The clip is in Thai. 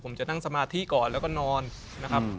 ผมจะนั่งสมาธิก่อนแล้วก็นอนนะครับ